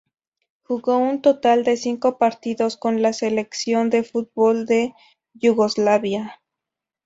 Jugó un total de cinco partidos con la selección de fútbol de Yugoslavia.